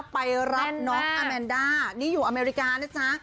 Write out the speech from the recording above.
ไปรับน้องอาแมนด้านี่อยู่อเมริกานะจ๊ะ